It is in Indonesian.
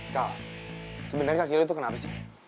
kau sebenernya kaki lu tuh kenapa sih